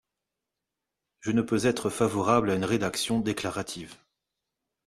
Je ne peux être favorable à une rédaction déclarative.